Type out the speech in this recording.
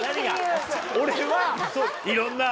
俺はいろんな。